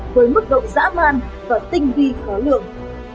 với mức độ dã man và tinh vi khó lường